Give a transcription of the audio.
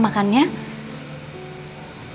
makanan yang aku suka sama mama